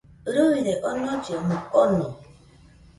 Rɨire onollɨ omɨ kono